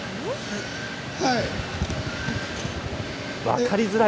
はい。